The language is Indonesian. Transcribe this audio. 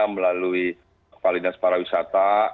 melalui kepala indah separa wisata